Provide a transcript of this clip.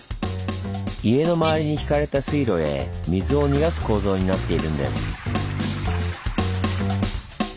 家の周りにひかれた水路へ水を逃がす構造になっているんです。